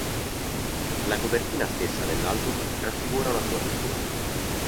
La copertina stessa dell'album raffigura una sua pittura.